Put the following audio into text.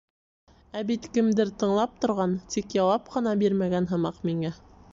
Ә бит кемдер тыңлап торған, тик яуап ҡына бирмәгән һымаҡ миңә.